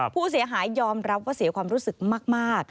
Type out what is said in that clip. ผู้เสียหายยอมรับว่าเสียความรู้สึกมาก